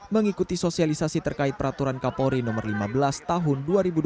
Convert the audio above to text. mengikuti sosialisasi terkait peraturan kapolri no lima belas tahun dua ribu dua puluh